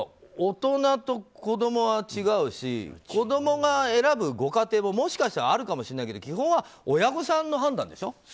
大人と子供は違うし子供が選ぶご家庭ももしかしたらあるかもしれないけど基本は親御さんの判断でしょう。